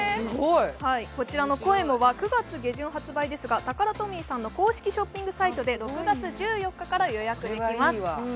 こちらのｃｏｅｍｏは９月下旬発売ですがタカラトミーさんの公式ショッピングサイトで６月１４日から予約できます。